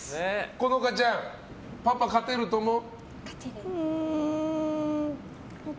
心花ちゃんパパ勝てると思う？